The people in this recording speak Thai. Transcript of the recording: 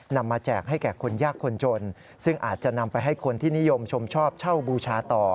มาแจกให้แก่คนยากคนจนซึ่งอาจจะนำไปให้คนที่นิยมชมชอบเช่าบูชาต่อ